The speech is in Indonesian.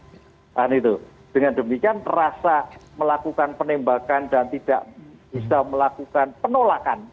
nah itu dengan demikian terasa melakukan penembakan dan tidak bisa melakukan penolakan